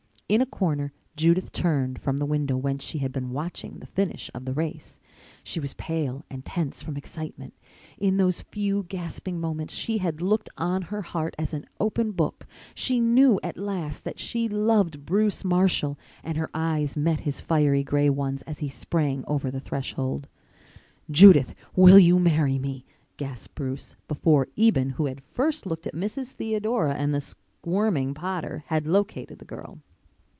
In a corner Judith turned from the window whence she had been watching the finish of the race. She was pale and tense from excitement. In those few gasping moments she had looked on her heart as on an open book; she knew at last that she loved Bruce Marshall and her eyes met his fiery gray ones as he sprang over the threshold. "Judith, will you marry me?" gasped Bruce, before Eben, who had first looked at Mrs. Theodora and the squirming Potter, had located the girl.